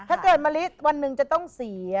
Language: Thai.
ถ้าเกิดมะลิวันหนึ่งจะต้องเสีย